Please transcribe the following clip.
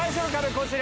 こちら。